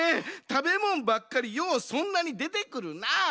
たべもんばっかりようそんなにでてくるなあ！